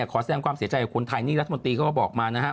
ขอแสดงความเสียใจให้คนไทยนี่รัฐมนตรีเขาก็บอกมานะฮะ